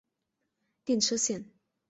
电车线。